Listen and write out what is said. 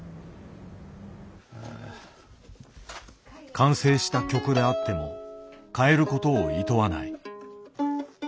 完成した曲であっても変えることをいとわない。